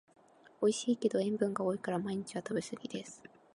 おいしいけど塩分が多いから毎日は食べすぎです